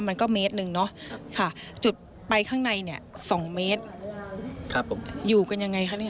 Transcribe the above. มันก็เมตรหนึ่งเนาะค่ะจุดไปข้างในเนี่ยสองเมตรครับผมอยู่กันยังไงคะเนี่ย